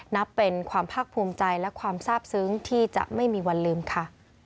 นับเป็นความภาคภูมิใจและความทราบซึ้งที่จะไม่มีวันลืมค่ะ